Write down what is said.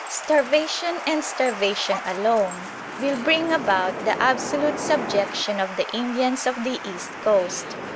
Starvation and starvation alone will bring about the absolute subjection of the Indians of the east coast.